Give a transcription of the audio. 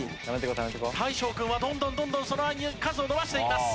大昇君はどんどんどんどんその間に数を伸ばしていきます。